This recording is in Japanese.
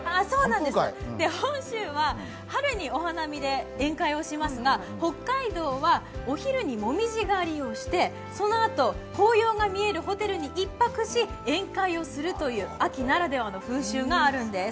本州は春にお花見で宴会をしますが北海道は、お昼に紅葉狩りをして、そのあと、紅葉が見えるホテルに一泊し宴会をするという秋ならではの風習があるんです。